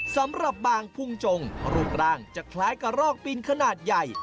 สำหรับบางพุงจงรูปร่างจะคล้ายกับรอกปีนขนาดใหญ่